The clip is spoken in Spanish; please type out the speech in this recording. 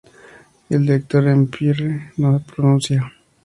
El director M. Pierre no se pronuncia.